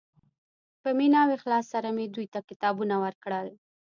په مینه او اخلاص سره مې دوی ته کتابونه ورکړل.